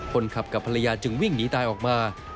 คนขับกับภรรยาจึงวิ่งหนีตายออกมา